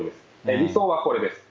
理想はこれです。